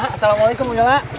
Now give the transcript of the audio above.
assalamualaikum bu yola